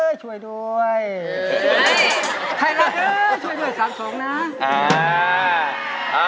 เอ่อช่วยด้วยช่วยด้วยสามสองนะ